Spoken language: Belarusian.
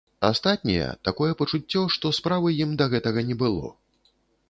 Астатнія, такое пачуццё, што справы ім да гэтага не было.